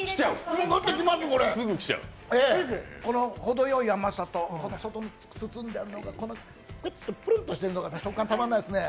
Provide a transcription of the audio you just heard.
程よい甘さと、外に包んであるのがプルンとしているのが食感、たまんないですね。